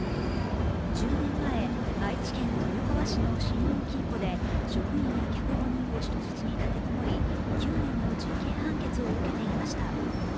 １０年前愛知県豊川市の信用金庫で職員や客５人を人質に立て籠もり９年の実刑判決を受けていました。